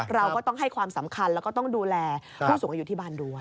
เราก็ต้องให้ความสำคัญแล้วก็ต้องดูแลผู้สูงอายุที่บ้านด้วย